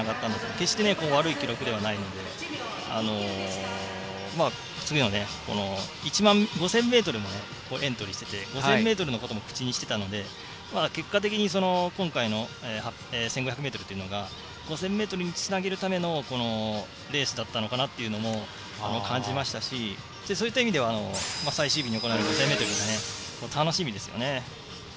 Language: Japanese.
決して悪い記録ではないので次は、５０００ｍもエントリーしていて５０００ｍのことも口にしていたので、結果的に今回の１５００ｍというのが５０００ｍにつなげるためのレースだったのかなとも感じましたしそういった意味では最終日に行われる５０００ｍが楽しみですよね。